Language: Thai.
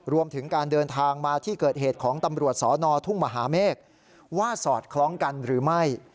รวมถึงการเดินทางมาที่เกิดเหตุของตำรวจสนทุ่งมหาเมฆว่าสอดคล้องกันหรือไม่